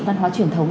văn hóa truyền thống